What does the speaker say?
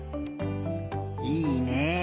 いいね。